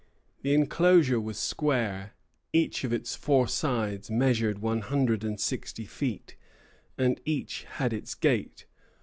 The enclosure was square; each of its four sides measured one hundred and sixty feet, and each had its gate.